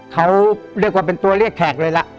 เค้าเลือกกว่าเป็นตัวเลือดแขกเลยล่ะ